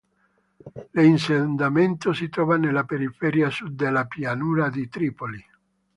L'insediamento si trova nella periferia sud della pianura di Tripoli.